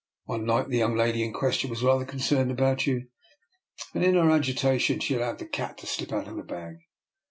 One night the yonng lady in question was rather concerned about you, and in her agita tion she allowed the cat to slip out of the bag.